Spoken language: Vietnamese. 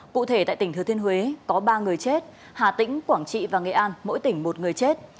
cụ thể tại tỉnh thừa thiên huế có ba người chết hà tĩnh quảng trị và nghệ an mỗi tỉnh một người chết